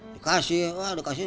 dikasih wah dikasih